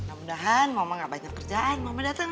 mudah mudahan mama gak banyak kerjaan mama datang